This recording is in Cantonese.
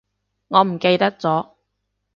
我唔記得咗